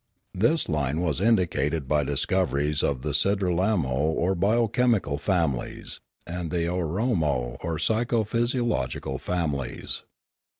This line was indicated by discoveries of the Sidralmo or bio chemical families, and the Ooaromo or psycho Discoveries 333 physiological families.